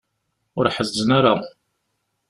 Ur ḥezzen ara.